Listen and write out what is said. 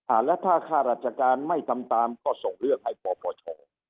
แล้วถ้าข้าราชการไม่ทำตามก็ส่งเรื่องให้ปปช